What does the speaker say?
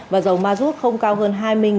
và dầu ma rút không cao hơn